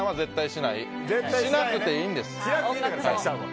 しなくていいんです。